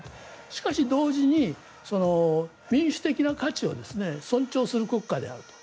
しかし、同時に民主的な価値を尊重する国家であると。